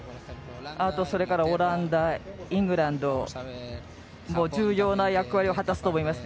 あと、それからオランダイングランドも重要な役割を果たすと思います。